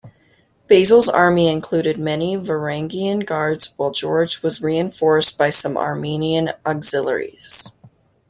Basil's army included many Varangian Guards while George was reinforced by some Armenian auxiliaries.